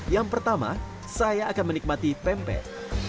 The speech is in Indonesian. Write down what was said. yang pertama saya akan menikmati pempek